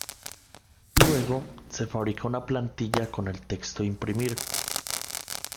Luego, se fabrica una plantilla con el texto a imprimir.